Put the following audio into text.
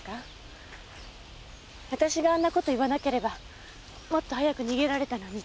私があんな事言わなければもっと早く逃げられたのにって。